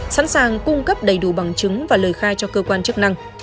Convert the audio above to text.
sẵn sàng cung cấp đầy đủ bằng chứng và lời khai cho cơ quan chức năng